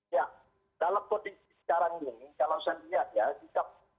ya dalam kondisi sekarang ini kalau saya lihat ya sikap